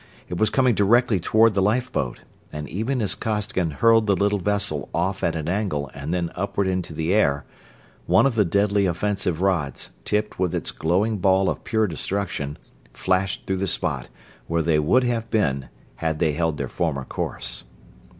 It was coming directly toward the lifeboat, and even as Costigan hurled the little vessel off at an angle and then upward into the air one of the deadly offensive rods, tipped with its glowing ball of pure destruction, flashed through the spot where they would have been had they held their former course.